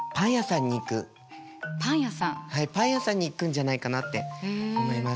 はいパン屋さんに行くんじゃないかなって思います。